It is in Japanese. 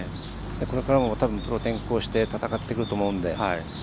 これからもたぶん、プロ転向して戦ってくると思うので。